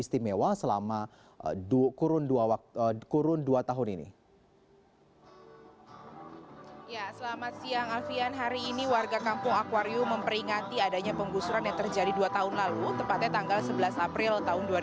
tempatnya tanggal sebelas april dua ribu enam belas